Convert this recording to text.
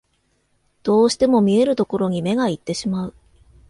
どうしても見えるところに目がいってしまう